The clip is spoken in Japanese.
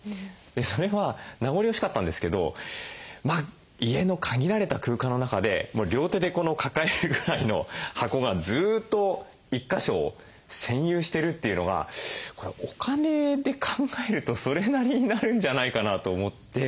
それは名残惜しかったんですけど家の限られた空間の中で両手で抱えるぐらいの箱がずっと一か所を専有してるっていうのはこれお金で考えるとそれなりになるんじゃないかなと思って。